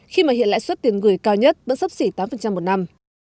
khi mà hiện lãi suất tiền gửi cao nhất vẫn sấp xỉ tám một năm